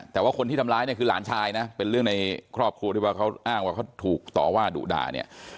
แต่ว่าคนที่ทำร้ายเนี่ยคือหลานชายนะเป็นเรื่องในครอบครัวที่ว่าเขาอ้างว่าเขาถูกต่อว่าดุด่าเนี่ย